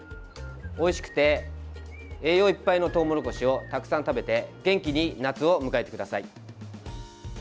おいしくて栄養いっぱいのトウモロコシをたくさん食べて元気に夏を迎えてください。